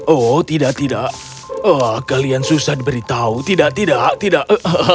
oh tidak tidak kalian susah diberitahu tidak tidak tidak